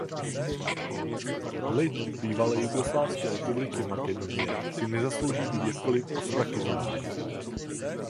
Lid Bývalé jugoslávské republiky Makedonie si nezaslouží být jakkoli ostrakizován.